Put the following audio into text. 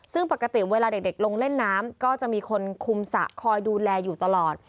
ซึ่งปกติเวลาเด็กลงเล่นน้ำก็จะมีคนคุมสระคอยดูแลอยู่ตลอด